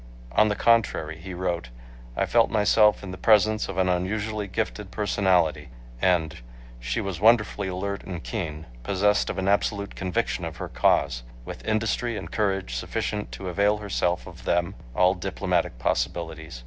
On the contrary he wrote, "I felt myself in the presence of an unusually gifted personality" and ... "she was wonderfully alert and keen ... possessed of an absolute conviction of her cause ... with industry and courage sufficient to avail herself of them [all diplomatic possibilities.